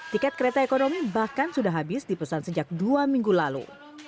tiket kereta ekonomi bahkan sudah habis dipesan sejak dua minggu lalu